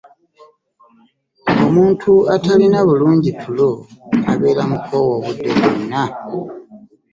omuntu atalina bulungi tulo abeera mukoowu obudde bwonna.